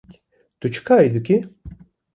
Tu çi karî dikî?